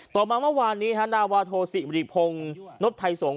ต่อมาเมื่อวานนี้นาวาโทศิริพงศ์นดไทยสงฆ